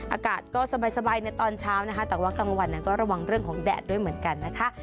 อากาศก็สบายในตอนเช้านะคะแต่ว่ากลางวันนั้นก็ระวังเรื่องของแดดด้วยเหมือนกันนะคะ